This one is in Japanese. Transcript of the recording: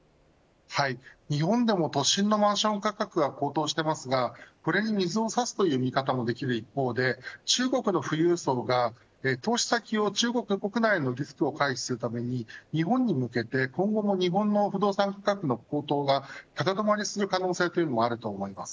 日本でも都心のマンション価格が高騰していますがこれに水を差すという見方もできる一方で中国の富裕層が投資先を中国国内のリスクを回避するために日本に向けて今後も日本の不動産価格の高騰が高止まりする可能性もあると思います。